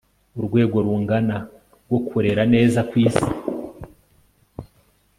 Urwego rungana rwo kurera neza kwisi